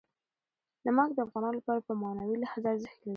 نمک د افغانانو لپاره په معنوي لحاظ ارزښت لري.